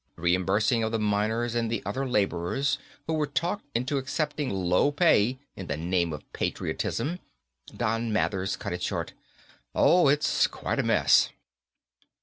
Reimbursing of the miners and other laborers who were talked into accepting low pay in the name of patriotism." Don Mathers cut it short. "Oh, it's quite a mess."